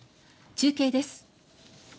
中継です。